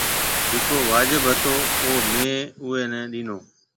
جڪو واجب هتو او ميه اُوئي نَي ڏينو۔